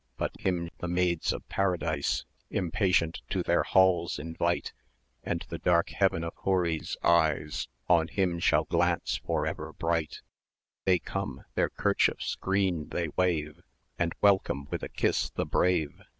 But him the maids of Paradise Impatient to their halls invite, 740 And the dark heaven of Houris' eyes On him shall glance for ever bright; They come their kerchiefs green they wave, And welcome with a kiss the brave!